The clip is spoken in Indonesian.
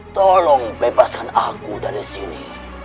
tolong bebaskan aku dari sini